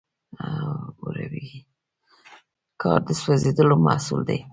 ګاز د سوځیدلو محصول دی.